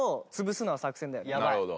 なるほど。